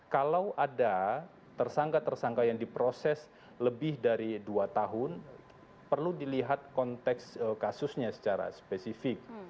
kalau ada tersangka tersangka yang diproses lebih dari dua tahun perlu dilihat konteks kasusnya secara spesifik